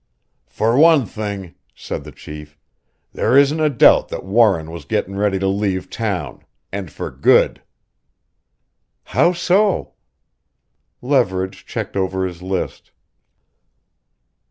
"For one thing," said the chief, "there isn't a doubt that Warren was getting ready to leave town and for good." "How so?" Leverage checked over his list.